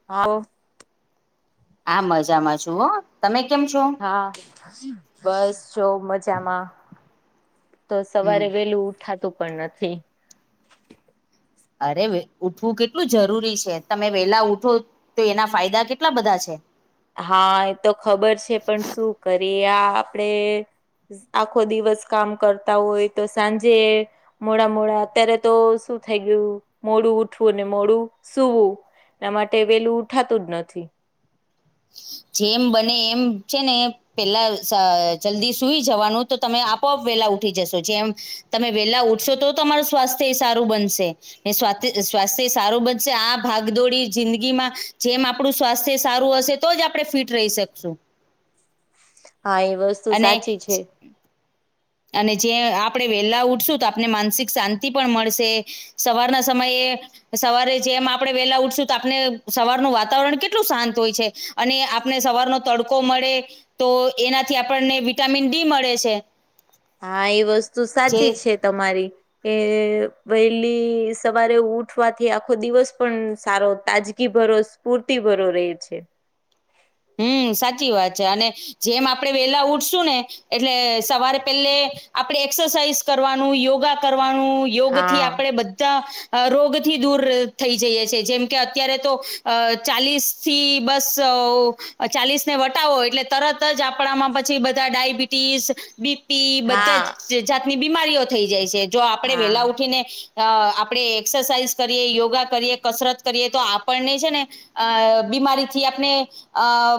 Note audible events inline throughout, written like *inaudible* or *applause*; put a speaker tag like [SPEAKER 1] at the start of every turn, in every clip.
[SPEAKER 1] *unintelligible*
[SPEAKER 2] હા મજામાં છુ હો તમે કેમ છો.
[SPEAKER 1] હા બસ છો મજામાં તો
[SPEAKER 2] હમ
[SPEAKER 1] સવારે વેલું ઉ ઉઠાતું પણ નથી.
[SPEAKER 2] અરે ઉઠવું કેટલું જરૂરી છે તમે વેલા ઉઠો તો એના ફાયદા કેટલા બધા છે..
[SPEAKER 1] હા, એ તો ખબર છે પણ શું કરીએ આપડે આખો દિવસ કામ કરતા હોય તો સાંજે મોડા મોડા અત્યારે તો શું થઈ ગયું મોડું ઉઠવું અનેને મોડું સૂવું એના માટે વેલું ઉઠાતું જ નથી.
[SPEAKER 2] જેમ બને એમ છે ને પેલા જલ્દી સુઈ જવાનું તો તમે આપોઆપ વેલા ઉઠી જશો જેમ, તમે વેલા ઉઠશો તો તમારું સ્વાસ્થ્ય સારું બનશે એ સ્વા સ્વાસ્થ્ય સારું બનશે આ ભાગદોડી જિંદગીમાં જેમ આપડું સ્વાસ્થ્ય સારું હશે તો જ આપડે ફિટ રહી શકશું.
[SPEAKER 1] હા એ વસ્તુ
[SPEAKER 2] અને
[SPEAKER 1] સાચી છે.
[SPEAKER 2] અને જે આપણે વેલા ઉઠશું તો આપને માનસિક શાંતિ પણ મળશે સવારના સમયે સવારે જેમ આપણે વેલા ઉઠશું તો આપને સવારનું વાતાવરણ કેટલું શાંત હોય છે. અને આપને સવારનો તડકો મળે તો એનાથી આપણને વિટામિન ડી મળે છે.
[SPEAKER 1] હા એ વસ્તુ
[SPEAKER 2] જે
[SPEAKER 1] સાચી છે તમારી એ વહેલી સવારે ઉઠવાથી આખો દિવસ પણ સારો તાજ એ ભરોસ સ્ફૂર્તિભર્યો રહે છે.
[SPEAKER 2] હમ્મ, સાચી વાત છે. અને જેમ આપણે વેહલા ઉઠશુંને એટલે સવારે પેલે આપડે એક્સરસાઇઝ કરવાનું યોગા કરવાનું યોગ થી
[SPEAKER 1] હા.
[SPEAKER 2] આપડે બધા અહ રોગથી દૂર થઈ જઈએ છે જેમ કે અત્યારે તો અહ ચાલીસ થી બસો અહ ચાલીસ ને વટાવો એટલે તરત જ આપણામાં પછી બધા ડાયબિટીસ બી તી બધા
[SPEAKER 1] હા
[SPEAKER 2] જ જાતની બીમારીઓ થઈ જાય છે જો આપણે
[SPEAKER 1] હા
[SPEAKER 2] વેલા ઉઠીને અહ આપડે એક્સરસાઇઝ કરીએ યોગા કરીએ કસરત કરીએ તો આપણને છે ને અહ બીમારીથી આપને અહ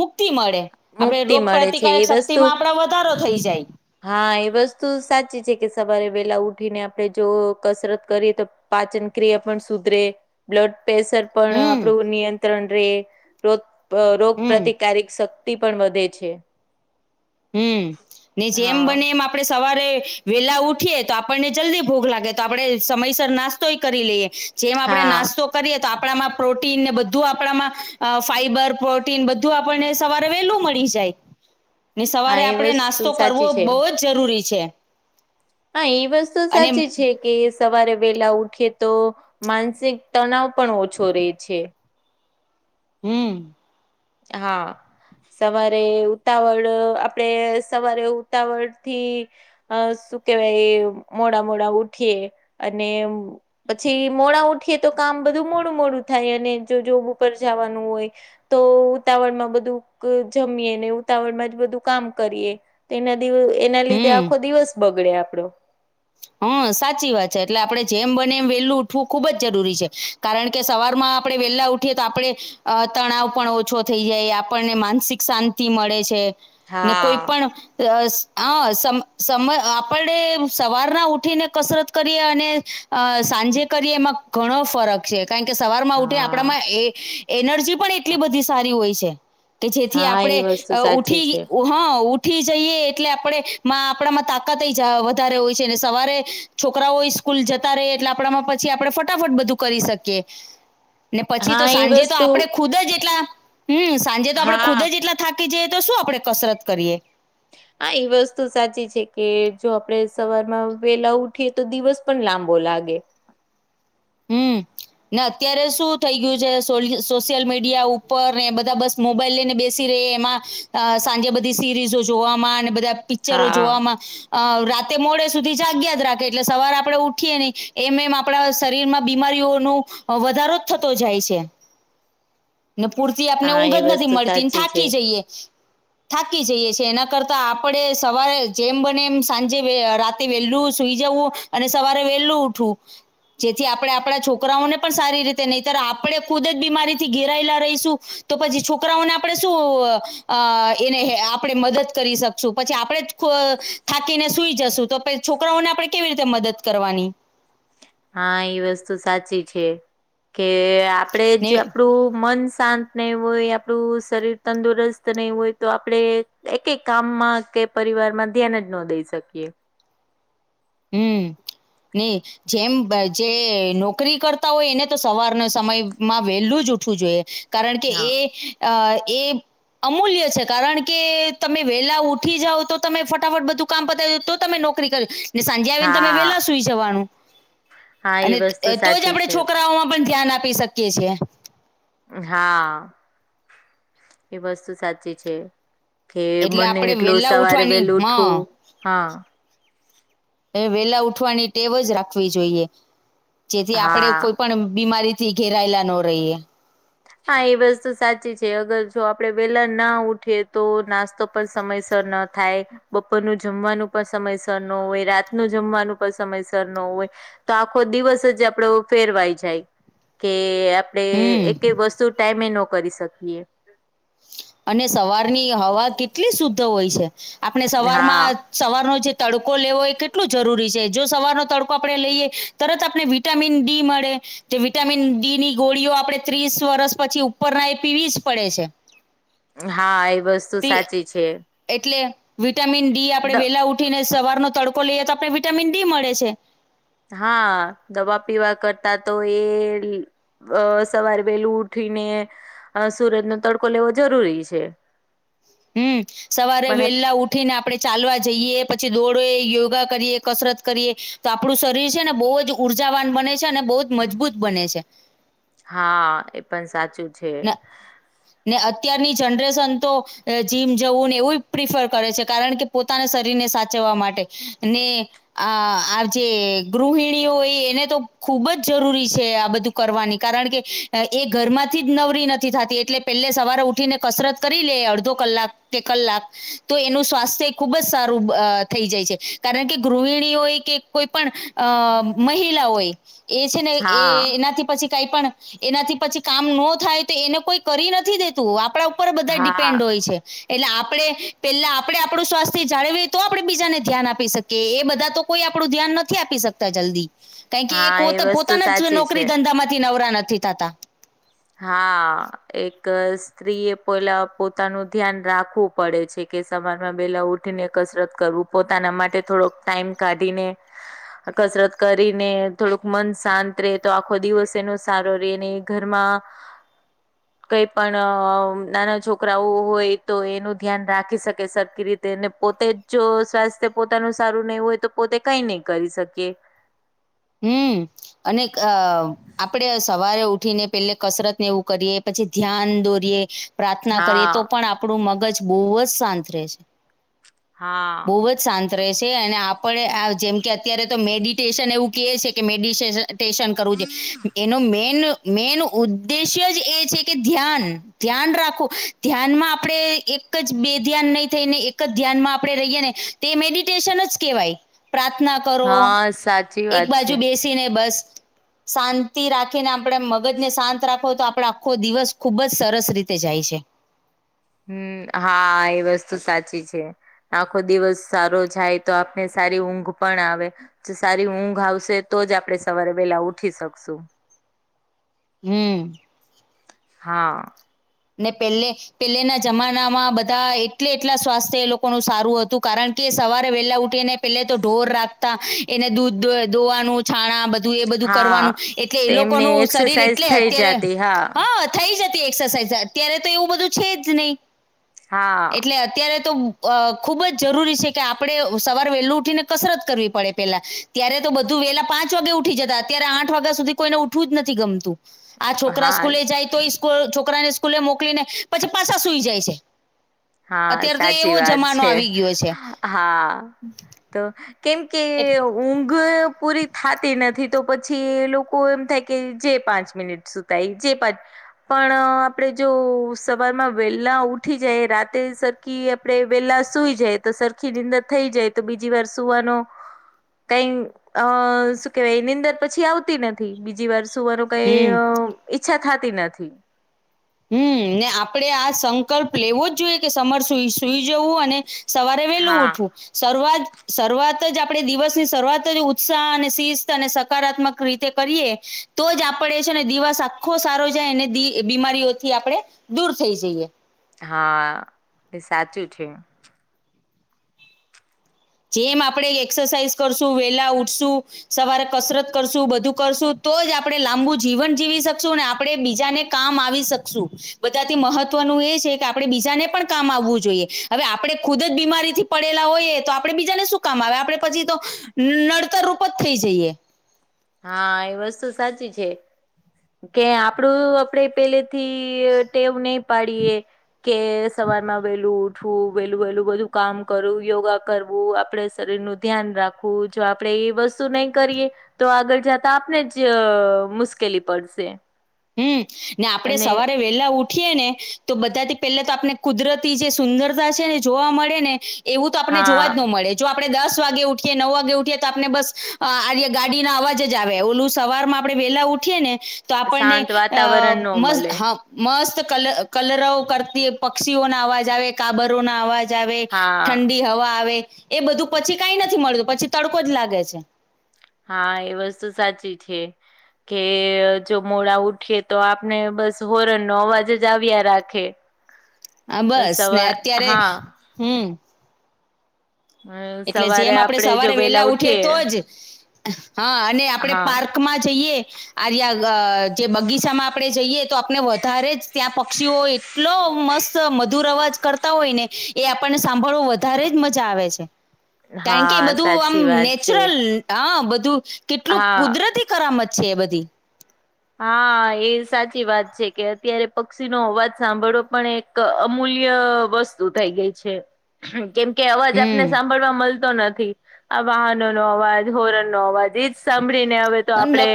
[SPEAKER 2] મુક્તિ મળે. આપડણે
[SPEAKER 1] મુક્તિ
[SPEAKER 2] રોગ
[SPEAKER 1] મળે છે એ
[SPEAKER 2] પ્રતિકારક શક્તિ
[SPEAKER 1] વસ્તુ
[SPEAKER 2] માં આપડ વધારો થઈ જાય.
[SPEAKER 1] હા એ વસ્તુ સાચી છે કે સવારે વેલા ઉઠીને આપણે જો કસરત કરીએ તો પાચનક્રિયા પણ સુધરે બ્લડ પ્રેશર પણ
[SPEAKER 2] હમ
[SPEAKER 1] આપણું નિયંત્રણ ર રોગ રોગ
[SPEAKER 2] હમ
[SPEAKER 1] પ્રતિકારિક શ વ્યક્તિ પણ વધે છે.
[SPEAKER 2] હમને જેમ બને
[SPEAKER 1] હા
[SPEAKER 2] એમ આપ આપણે સવારે વેલા ઉઠીએ તો આપણને જલ્દી ભોગ લાગે તો આપડે સમયસર નાસ્તોય કરી લઈએ. જેમ આપણે
[SPEAKER 1] હા
[SPEAKER 2] નાસ્તો કરીએ તો આપમાં પ્રોટીન ને બધું આપણામાં ફાઈબર પ્રોટીન બધું આપણને સવારે વેલું મળી જાય. ને
[SPEAKER 1] હા
[SPEAKER 2] સવારે
[SPEAKER 1] એ
[SPEAKER 2] આપણેે નાસ્તો
[SPEAKER 1] વસ્તુ
[SPEAKER 2] કરવો
[SPEAKER 1] સાચી છે.
[SPEAKER 2] બહુ જ જરૂરી છે.
[SPEAKER 1] હા એ વસ્તુ
[SPEAKER 2] અને
[SPEAKER 1] સાચી છે. કે સવારે વેહેલા ઉઠે તો માનસિક તણાવ પણ ઓછો રે છે.
[SPEAKER 2] હમ્મ.
[SPEAKER 1] હા. સવારે ઉતાવળ આપડે સવારે ઉતાવળ થી. અ શું કેવાય મોડા મોડા ઉઠીએ અને પછી મોડા ઉઠીએ તો કામ બધું મોડું મોડું થાય અને જો જોબ ઉપર જવાનું હોય. તો. ઉતાવળ માં બધું જમીએ ને ઉતાવળમાં જ બધું કામ કરીએ એના દ એના લીધે
[SPEAKER 2] હમ
[SPEAKER 1] આખો દિવસ બગડે આપડો.
[SPEAKER 2] હા સાચી વાત છે એટલે આપડણે જેમ બને એમ વેલું ઉઠવું ખુબ જ જરૂરી છે. કારણ કે સવારમાં આપણે વેલા ઉઠીએ તો આપણે તણાવ પણ ઓછો થઈ જાય આપણને માનસિક શાંતિ તિ મળે છે. કોઈ
[SPEAKER 1] હા
[SPEAKER 2] પણ સમ આપડે સવાર ઘ ના ઉઠીને કસરત કરીએ અને સાંજે કરીએ એમાં ઘણો ફરક કારણ કે સવારમાં ઉઠી
[SPEAKER 1] હા
[SPEAKER 2] આપણામાં એનર્જી પણ એટલી બધી સારી હોય છે. કે જેથી
[SPEAKER 1] હા એ
[SPEAKER 2] આપણેે
[SPEAKER 1] વસ્તુ સાચી
[SPEAKER 2] ઊઠી
[SPEAKER 1] છે
[SPEAKER 2] હા થી જઈએ એટલે આપણે આપણામાં તાકાત વધારે હોય. ને સવારે છોકરાઓ સ્કૂલ જતા ર એટલે આપણામાં પછી આપડણે ફટાફટ બધું કરી શકીએ. ને પછી
[SPEAKER 1] હા
[SPEAKER 2] તો
[SPEAKER 1] એ
[SPEAKER 2] સાંજે તો
[SPEAKER 1] વસ્તુ
[SPEAKER 2] આપડે ખુદ જ એટલા હમ સાંજે તો આપડે
[SPEAKER 1] હા
[SPEAKER 2] ખુદ જ એટલા થાકી જઈએ તો શું આપડે કસરત કરીએ.
[SPEAKER 1] હા એ વસ્તુ સાચી છે કે જો આપડે સવારમાં વેલા ઉઠીએ તો દિવસ. પણ લાંબો લાગે.
[SPEAKER 2] હમ ને અત્યારે શું થઈ ગયું છે સોશિયલ મીડિયા ઉપર ને એ બધા બસ મોબાઈલ લઈને બેસી ર એમાં સાંજે બધી સિરીઝો જોવામાં અને બધા પિક્ચરો
[SPEAKER 1] હા
[SPEAKER 2] જોવામાં. અ રાતે મોડે સુધી જાગ્યા જ રાખે એટલે સવાર આપણેે ઉઠીએ નહી એમ એમ આપણા. શરીરમાં બીમારીઓ ન વધારો જ થતો જાય છે. ને પૂરતી આપને
[SPEAKER 1] હા
[SPEAKER 2] ઊંઘ
[SPEAKER 1] એ
[SPEAKER 2] જ નથી
[SPEAKER 1] વસ્તુ
[SPEAKER 2] મળતી
[SPEAKER 1] સાચી છે
[SPEAKER 2] થાકી જઈએ. થાકી જઈએ છે એના કરતા આપણે સવારે જેમ બને એમ સાંજે રાતે વેહેલું સુઈ જવું. અને સવારે વેલું ઉઠવું જેથી આપડે આપડા છોકરાઓને પણ સારી રીતે નઇ તર આપણે ખુદ જ બીમારીથી ઘેરાયેલા રઇશું. તો પછી છોકરાઓને આપડે શું અ એને હે આપણે મદદ કરી શકશું પછી આપણે ફ થાકીને સુઈ જશું તો પે છોકરાઓને આપડે કેવી રીતે મદદ કરવાની.
[SPEAKER 1] હા એ વસ્તુ સાચી છે કે આપડે
[SPEAKER 2] ને
[SPEAKER 1] જ આપણું મન શાંત ને હોય આપણું શરીર તંદુરસ્ત નઇ હોય તો આપડે એક એક કામમાં કે પરિવારમાં ધ્યાન જ નો દઈ શકીએ.
[SPEAKER 2] હું ની જેમ જે નોકરી કરતા હોય એને તો સવારના સમયમાં વેલું જ ઉઠવું જોઈએ. કારણ કે
[SPEAKER 1] હા
[SPEAKER 2] એ અ એ અમૂલ્ય છે કારણ કે તમે વેલા ઉઠી જાવ તો તમે ફટાફટ બધું કામ પતાવે તો તમે નોકરી કરે સાંજે આવીને તમે
[SPEAKER 1] હા
[SPEAKER 2] વેલા સુઈ જવાનું
[SPEAKER 1] હા એ
[SPEAKER 2] અને
[SPEAKER 1] વસ્તુ
[SPEAKER 2] તો જ
[SPEAKER 1] સાચી
[SPEAKER 2] આપડે
[SPEAKER 1] છે
[SPEAKER 2] છોકરાઓમાં પણ ધ્યાન આપી શકીએ છીએ.
[SPEAKER 1] હા એ વસ્તુ સાચી છે. કે
[SPEAKER 2] એટલે
[SPEAKER 1] બને
[SPEAKER 2] આપણે
[SPEAKER 1] એટલું
[SPEAKER 2] વેલા
[SPEAKER 1] સવારે
[SPEAKER 2] ઉઠવાની
[SPEAKER 1] વેલું
[SPEAKER 2] હા
[SPEAKER 1] ઉઠવું હા
[SPEAKER 2] એ વેલા ઉઠવાની ટેવ જ રાખવી જોઈએ જેથી આપડે
[SPEAKER 1] હા
[SPEAKER 2] કોઈ પણ બીમારી થી ઘેરાયલા નો રઈએ.
[SPEAKER 1] હા એ વસ્તુ સાચી છે અગર જો આપડે વેલા ના ઉઠીએ તો નાસ્તો પ સમયસર ન થાય. બપોરનું જમવાનું પણ સમયસર ન હોય રાત નું જમવાનું પણ સમયસર ન હોય. તો આખો દિવસ જ આપડો ફેરવાઈ જાય કે આપડે
[SPEAKER 2] હમ
[SPEAKER 1] એકે વસ્તુ ટાઈમે નો કરી શકીએ.
[SPEAKER 2] અને સવારની હવા કેટલી શુદ્ધ હોય છે આપણે સવારમાં
[SPEAKER 1] હા
[SPEAKER 2] સવારનો જે તડકો લેવો એ કેટલો જરૂરી છે જો સવારનો તડકો આપડે લઈએ તરત આપને વિટામિન ડી મળે. તે વિટામિન ડી ની ગોળીઓ આપડે ત્રીસ વર્ષ પછી ઉપરના એ પીવી જ પડે છે.
[SPEAKER 1] હા એ વસ્તુ
[SPEAKER 2] તે
[SPEAKER 1] સાચી છે.
[SPEAKER 2] એટલે વિટામિન ડી આપડે
[SPEAKER 1] દ
[SPEAKER 2] વેલા ઉઠીને સવારનો તડકો લઈએ તો આપને વિટામિન ડી મળે છે.
[SPEAKER 1] હા દવા પીવા કરતા તો એ અ સવારે વેલું ઉઠીને અ સુરજનો તડકો લેવો જરૂરી છે.
[SPEAKER 2] હું સવારે
[SPEAKER 1] પણ આ
[SPEAKER 2] વેલા ઉ ઠીને આપડે ચાલવા જઈએ પછી દોડે યોગા કરીએ કસરત કરીએ તો આપડું શરીર છે ને બોવ જ ઉર્જાવાન બને છે અને બો જ મજબૂત બને છે.
[SPEAKER 1] હા એ પણ સાચું છે.
[SPEAKER 2] *inaudible* ને અત્યારની જનરેશન તો અ જીમ જવું ને એવુંય પ્રિફર કરે છે કારણ કે પોતાના શરીરને સાચવવા માટે ને આ આ જે ગૃહિણીઓ હોય એને તો ખુબ જ જરૂરી છે આ બધું કરવાની કારણ કે એ ઘરમાં થી જ નવરી નથી થાતી એટલે પેલે સવારે ઉઠીને કસરત કરી લે અડધો કલાક કે કલાક તો એનું સ્વાસ્થ્ય એ ખૂબ જ સારું અ થઈ જાય છે કારણ કે ગૃહિણીઓ કે કોઈ પણ અ મહિલા હોય એ છે ને એ
[SPEAKER 1] હા
[SPEAKER 2] એનાથી પછી કઈ પણ એનાથી પછી કામ નો થાય તો એને કોઈ કરી નથી દેતું આપડા ઉપર બધા
[SPEAKER 1] હા
[SPEAKER 2] ડિપેન્ડ હોય છે. એટલે આપડે પેલા આપડે આપડું સ્વાસ્થ્ય જાળવીએ તો આપડે બીજાને ધ્યાન આપી શક કે એ બધા તો કોઈ આપડું ધ્યાન નથી આપી શકતા જલ્દી કારણ કે એ
[SPEAKER 1] હા
[SPEAKER 2] પોત
[SPEAKER 1] વસ્તુ
[SPEAKER 2] પોતાના જ
[SPEAKER 1] સાચી છે
[SPEAKER 2] નોકરી ધંધામાંથી નવરા નથી થતા.
[SPEAKER 1] હા એક સ્ત્રી એ પેલા પોતાનું ધ્યાન રાખવું પડે છે કે સવારમાં પેલા ઉઠીને કસરત કરવું. પોતાના માટે થોડોક ટાઈમ કાઢીને કસરત કરીને, થોડુંક મન શાંત રે તો, આખો દિવસ એનો સારો રે ને ઘરમાં
[SPEAKER 2] *unintelligible*
[SPEAKER 1] કઈ પણ નાના છોકરાઓ હોય તો, એનું ધ્યાન રાખી શકે સરખી રી તેને પોતે જ જો, સ્વાસ્થ્ય પોતાનું સારું નહી હોય તો પોતે કરી શકીએ.
[SPEAKER 2] હમ. અનેક અ આપડે સવારે ઉઠીને પેલે કસરત ને એવું કરીએ, પછી ધ્યાન દોરીએ, પ્રાર્થના કરીએ તો
[SPEAKER 1] હા
[SPEAKER 2] પણ આ પડું મગજ બહુ જ શાંત રહેે છે. બહુ
[SPEAKER 1] હા.
[SPEAKER 2] જ શાંત રહેશે. અને આપડે આ જેમ કે અત્યારે તો મેડિટેશન એવું કેયે છે કે, મેડિસેશ ટેશન કરવું જો એનો મેન મેન ઉદ્દેશ્ય જ એ છે કે ધ્યાન, ધ્યાન રાખો. ધ્યાનમાં આપણે એક જ બે ધ્યાન નહી થઈને એક ક જ ધ્યાનમાં આપડે રહીએ ને તે મેડિટેશન જ કેહેવાય. પ્રાર્થના કરો
[SPEAKER 1] વાત સાચી.
[SPEAKER 2] એક
[SPEAKER 1] વાત
[SPEAKER 2] બાજુ
[SPEAKER 1] છે
[SPEAKER 2] બેસીને બસ શાંતિ રાખીને આપડે મગજને શાંત રાખવો તો, આપડે આખો દિવસ ખુબ જ સરસ રીતે જાય છે.
[SPEAKER 1] હમ, હા. એ વસ્તુ સાચી છે. આખો દિવસ સારો જાય તો, આપને સારી ઊંઘ પણ આવે. જો સારી ઊંઘ આવશે, તો જ આપડે સવારે વેલા ઉઠી શકશું.
[SPEAKER 2] હમ.
[SPEAKER 1] હા.
[SPEAKER 2] મે પેલ્લે પેલેના જમાનામાં બધા એટલે, એટલા સ્વાસ્થ્ય એ લોકોનું હતું, કારણ કે સવારે વહેલા ઉઠીને પેલે તો ઢોર રાખતા એને દૂધ દોય દોહવાનું, છાણા બ ધુ એ બધું
[SPEAKER 1] હા
[SPEAKER 2] કરવાનું. એટલે એ
[SPEAKER 1] તેમને
[SPEAKER 2] લોકોનું શરીર
[SPEAKER 1] એક્સરસાઇઝ
[SPEAKER 2] એટલે
[SPEAKER 1] થઈ
[SPEAKER 2] અત્યારે,
[SPEAKER 1] જતી
[SPEAKER 2] હા થઈ જતી એક્સરસાઇઝ. અત્યારે તો એવું બધું છે જ નહી
[SPEAKER 1] હા
[SPEAKER 2] એટલે અત્યારે તો અ ખુબ જ જરૂરી છે કે, આપડે સવાર વેલું ઉઠીને કસરત કરવી પડે પેલા. ત્યારે તો બધું વેલા પાંચ વાગે ઉઠી જતા. અત્યારે આઠ વાગ્યા સુધી કોઈને ઉઠવું જ નથી ગમતું. આ છોકરા
[SPEAKER 1] હા
[SPEAKER 2] સ્કૂલે જાય તોયે સ્કુ છોકરાને સ્કૂલે મોકલી ને પછી પાસા સુઈ જાય છે.
[SPEAKER 1] હા
[SPEAKER 2] અત્યારે તો
[SPEAKER 1] સાચી
[SPEAKER 2] એવો
[SPEAKER 1] વાત
[SPEAKER 2] જમાનો
[SPEAKER 1] છે.
[SPEAKER 2] આવી ગયો છે
[SPEAKER 1] હા. તો, કેમ કે
[SPEAKER 2] એટ-
[SPEAKER 1] એવ ઊંઘ પૂરી થાતી નથી તો પછી એ લોકો એમ થાય કે, જે પાંચ મિનિટ સુ ગાય જે પટ પણ આપડે જો સવારમાં વેલા ઉઠી જાયે રાત તે સરખી આપણે વેલા સુઈ જાય તો, સરખી રીતના થઈ જાય તો, બીજી વાર સુવાનો કઈ અ, શું કેવાય નીંદર પછી આવતી નથી બીજી વાર શુંવાનો કઈ
[SPEAKER 2] હમ
[SPEAKER 1] અ, ઈચ્છા થાતી નથી.
[SPEAKER 2] હમ. ને આપડે આ સંકલ્પ લેવો જ જોઈએ કે, સમર સુઈ, સુઈ જવું અને સવારે વેલું ઉઠવું.
[SPEAKER 1] હા
[SPEAKER 2] શરૂઆત, શરૂઆત જ આપડે દિવસની શરૂઆત જ ઉત્સાહ અને શિસ્ત અને સકારાત્મક રીતે કરીએ તો જ આપડે છે ને દિવસ આખો સારો જાય. અને બી બીમારી ઓ થી આપડે દૂર થઈ જઈએ.
[SPEAKER 1] હા, એ સાચું છે.
[SPEAKER 2] જેમ આપડે એક્સરસાઇઝ કરશું, વેલા ઉઠશું સવારે કસરત કરશું, બધું કરશું, તો જ આપડે લાંબુ જીવન જીવી શકશું ને આપડે બીજાને કામ આવી શકશું. બધાથી મહત્વનું એ છે કે આપડે બીજાને પણ કામ આવવું જોઈએ. હવે આપડે ખુદ જ બીમારીથી પડેલા હોયએ તો આ આપડે બીજાને શું કામ આવે? આપડે પછી તો નડતરરૂપ જ થઈ જઈએ.
[SPEAKER 1] હા, એ વસ્તુ સાચી છે. કે આપડું આપણેે પેલેથી ટેવ નહી પાડીએ કે સવારમાં વેહલું ઉ ઠવું, વેલું વેલું બધું કામ કરવું, યોગા કરવું, આપડે શરીરનું ધ્યાન રા ખવુ, જો આપડે એ વસ્તુ નહી કરીએ તો આગળ જાતા આપને જ મુશ્કેલી પડશે.
[SPEAKER 2] હમ્મ, ને આપડે
[SPEAKER 1] અને
[SPEAKER 2] સવારે વેલા ઉ ઠીએને તો બધાથી પેલા તો આપને કુદરતી જે સુંદરતા છે ને એ જોવા મળેને એવું તો આપણને જોવા જ નો
[SPEAKER 1] હા
[SPEAKER 2] મળે છે. જો આપણે દસ વાગે ઉઠીએ, નવ વાગે ઉઠીએ તો આપને બસ આ ગાડીના અવાજ જ આવે ઓલું સવારમાં આપણે વેલા ઉઠીએને તો આપણને
[SPEAKER 1] શાંત
[SPEAKER 2] અ
[SPEAKER 1] વાતાવરણ નો
[SPEAKER 2] મસ્
[SPEAKER 1] મળે
[SPEAKER 2] મસ્ત કલ-કલરવ કરતી પક્ષીઓના અવાજ આવે, કાબરોના અવા જ આવે,
[SPEAKER 1] હા
[SPEAKER 2] ઠંડી હવા આવે, એ બધું પછી કાઈ નથી મળતું પછી તડકો જ લાગે છે.
[SPEAKER 1] હા, એ વસ્તુ સાચી છે. કે જો મોડા ઉઠીએ તો આપને બસ હોરનનો અવાજ જ આવ્યા રાખે.
[SPEAKER 2] હા, બસ ને
[SPEAKER 1] સવાર
[SPEAKER 2] અત્યારે,
[SPEAKER 1] હા
[SPEAKER 2] હમ્મ એટલે જેમ આપડે સવારે વેલા ઉઠીએ તોજ, હા અને આપણે પાર્
[SPEAKER 1] હા
[SPEAKER 2] કમાં જઈએ આર્યા અ જે બગીચામાં આપણે જઈએ તો આપણે વધારે જ ત્યાં પક્ષીઓ એ ટલો મસ્ત મધુર અવાજ કરતા હોય ને એ આપણને સાંભળવો વધારે જ મજા આવે છે. કારણ કે, એ
[SPEAKER 1] હા
[SPEAKER 2] બધું આમ
[SPEAKER 1] સાચી વાત છે
[SPEAKER 2] નેચરલ હા, બધું કેટલું
[SPEAKER 1] હા
[SPEAKER 2] કુદરતી કરામત છે એ બધી.
[SPEAKER 1] હા, એ સાચી વાત છે કે અત્યારે પક્ષી નો અવાજ સાંભળવો પણ એ ક અમૂલ્ય વસ્તુ થઈ ગઈ છે. કેમ કે અવાજ આપને
[SPEAKER 2] હમ
[SPEAKER 1] સાંભળવા મલતો નથી. આ વાહનનો અવાજ, હોરન નો અવાજ એજ સાંભળીને હવે તો આપડે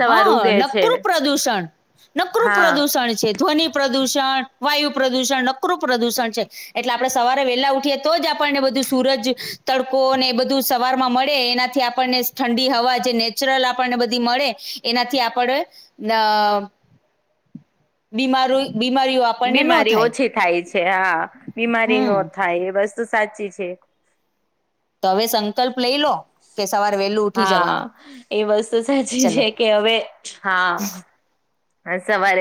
[SPEAKER 1] સવાર ઉગે છ.
[SPEAKER 2] કરું પ્રદૂષણ, નકરું પ્રદૂષણ છે. ધ્વનિ પ્રદૂષણ, વાયુ પ્રદુષણ, નકરું પ્રદુષણ છે. એટલે આપડે સવારે વેલા ઉઠીએ તો જ આપણને બધું સૂરજ, તડકોને બધું સવારમાં મળે એનાથી આ પણને ઠંડી હવા જે ને ચરલ આપણને બધી મળે એનાથી આપડે અ બીમારી બીમારીઓ આપણને ન
[SPEAKER 1] બીમારી ઓછી થાય છે. હા, બીમારી
[SPEAKER 2] હમ
[SPEAKER 1] નો થાય વસ્ તુ સાચી છે.
[SPEAKER 2] તો હવે સં
[SPEAKER 1] હા,
[SPEAKER 2] જવાનું
[SPEAKER 1] એ વસ્તુ સાચી
[SPEAKER 2] ચલો
[SPEAKER 1] છે કે હવે હા, સવારે